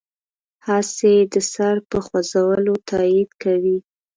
هسې د سر په خوځولو تایید کوي.